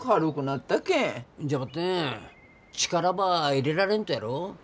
じゃばってん力ば入れられんとやろ。